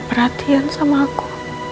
kau perhatian sama aku